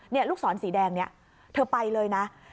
นี่ลูกศรสีแดงนี้เธอไปเลยนะ